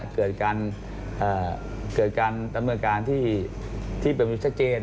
เกิดการดำเนื้อการที่เป็นมือชัดเจน